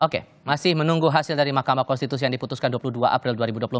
oke masih menunggu hasil dari mahkamah konstitusi yang diputuskan dua puluh dua april dua ribu dua puluh empat